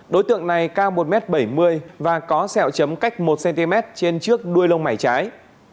đối tượng này cao một m bảy mươi và có sẹo chấm cách một cm trên trước đuôi lông mảy trái